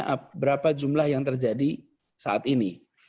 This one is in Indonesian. berapa jumlah yang terjadi saat ini